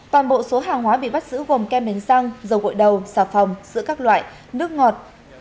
toàn bộ số hàng hóa bị bắt giữ gồm kem bánh xăng dầu gội đầu xà phòng sữa các loại nước ngọt